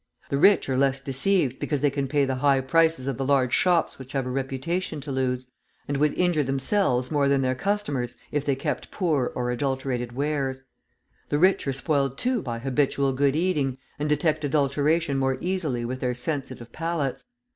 The rich are less deceived, because they can pay the high prices of the large shops which have a reputation to lose, and would injure themselves more than their customers if they kept poor or adulterated wares; the rich are spoiled, too, by habitual good eating, and detect adulteration more easily with their sensitive palates.